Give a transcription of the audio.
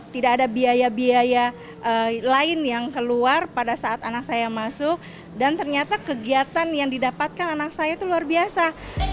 tidak ada biaya biaya lain yang keluar pada saat anak saya masuk dan ternyata kegiatan yang didapatkan anak saya itu luar biasa